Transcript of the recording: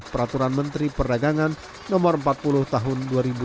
peraturan menteri perdagangan no empat puluh tahun dua ribu dua puluh